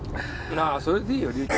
ああそれでいいよ。